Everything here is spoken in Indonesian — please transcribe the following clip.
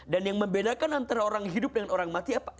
dan yang membedakan antara orang hidup dengan orang mati apa